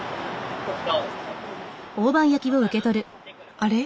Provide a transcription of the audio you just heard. あれ？